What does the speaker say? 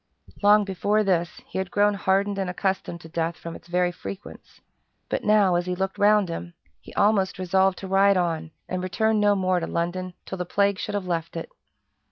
Long before this, he had grown hardened and accustomed to death from its very frequence; but now, as he looked round him, he almost resolved to ride on and return no more to London till the plague should have left it.